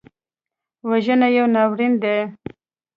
وژنه یو ناورین دی